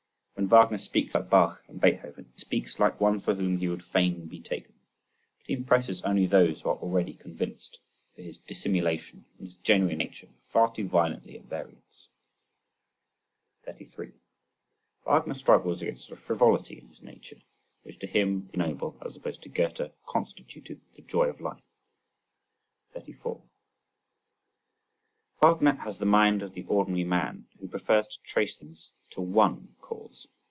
When Wagner speaks about Bach and Beethoven he speaks like one for whom he would fain be taken. But he impresses only those who are already convinced, for his dissimulation and his genuine nature are far too violently at variance. 33. Wagner struggles against the "frivolity" in his nature, which to him the ignoble (as opposed to Goethe) constituted the joy of life. 34. Wagner has the mind of the ordinary man who prefers to trace things to one cause.